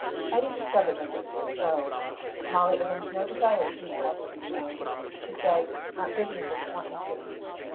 Eddy discovered that this was so. Molly evinced no desire to meet Eileen Le Moine. She said "Aunt Vyvian doesn't want me to."